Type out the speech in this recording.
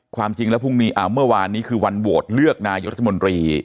ความจริงแล้วพรุ่งนี้เมื่อวานนี้คือวันโหวตเลือกนายกรัฐมนตรี